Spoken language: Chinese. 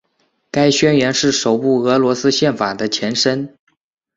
该宣言是首部俄罗斯宪法的前身。